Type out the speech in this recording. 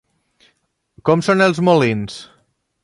Com són els molins?